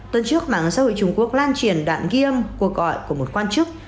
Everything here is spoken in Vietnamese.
tuần trước mạng xã hội trung quốc lan truyền đoạn ghi âm cuộc gọi của một quan chức